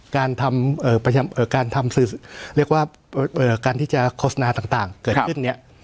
การทำการทำสื่อเรียกว่าการที่จะโฆษณาต่างเกิดขึ้นเนี่ย